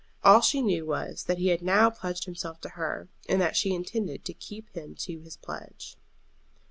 All she knew was that he had now pledged himself to her, and that she intended to keep him to his pledge.